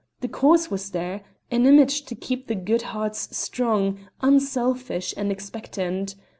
the cause was there, an image to keep the good hearts strong, unselfish, and expectant.